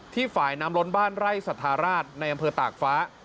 ฝ่ายน้ำล้นบ้านไร่สัทธาราชในอำเภอตากฟ้า